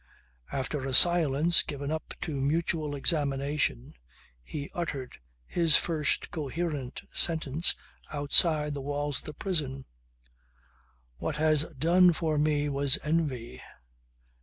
After a silence given up to mutual examination he uttered his first coherent sentence outside the walls of the prison. "What has done for me was envy.